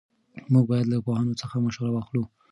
موږ باید له پوهانو څخه مشوره واخلو.